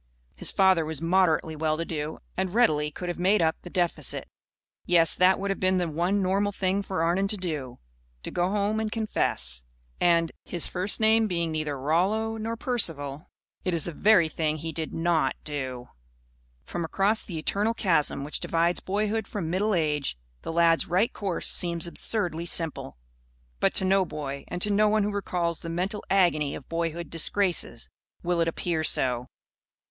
His father was moderately well to do, and readily could have made up the deficit. Yes, that would have been the one normal thing for Arnon to do: to go home and confess. And his first name being neither Rollo nor Percival it is the very thing he did not do. From across the eternal chasm which divides boyhood from middle age, the lad's right course seems absurdly simple. But to no boy, and to no one who recalls the mental agony of boyhood disgraces, will it appear so.